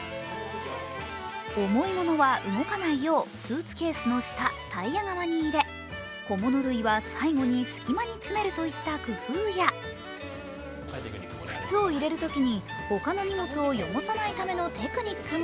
重い物は動かないようスーツケースの下、タイヤ側に入れ、小物類は最後に隙間に詰めるといった工夫や靴を入れるときに、他の荷物を汚さないためのテクニックも。